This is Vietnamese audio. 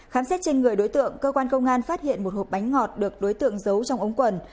khám xét trên người đối tượng cơ quan công an phát hiện một hộp bánh ngọt được đối tượng giấu trong ống quần